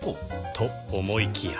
と思いきや